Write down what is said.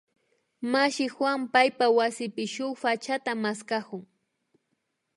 Mashi Juan paypak wasipi shuk pachata maskakun